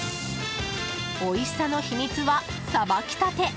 おいしさの秘密は、さばきたて。